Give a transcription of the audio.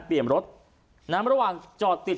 เปรียบรถน้ำระหว่างจอดติด